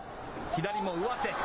左も上手。